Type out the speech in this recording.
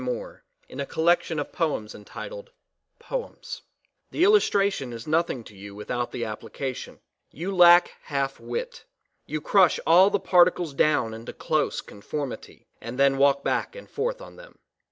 POEMS BY MARIANNE MOORE TO A STEAM ROLLER The illustration is nothing to you without the application. You lack half wit. You crush all the particles down into close conformity, and then walk back and forth on them.